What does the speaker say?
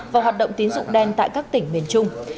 và hoạt động tín dụng đen tại các tỉnh miền trung